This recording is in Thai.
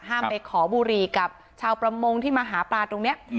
ไปขอบุหรี่กับชาวประมงที่มาหาปลาตรงนี้